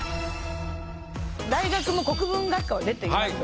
大学も国文学科を出ています。